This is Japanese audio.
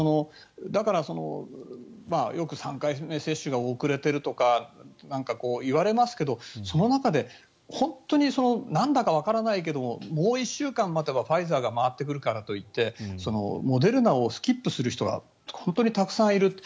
だからよく３回目接種が遅れているとか言われますけどその中で本当になんだかわからないけれどもう１週間待てばファイザーが来るからといってモデルナをスキップする人が本当にたくさんいる。